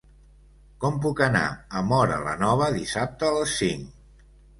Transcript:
Com puc anar a Móra la Nova dissabte a les cinc?